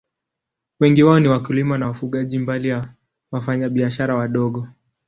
Wengi wao ni wakulima na wafugaji, mbali ya wafanyabiashara wadogo.